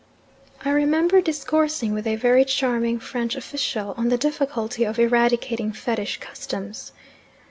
I remember discoursing with a very charming French official on the difficulty of eradicating fetish customs.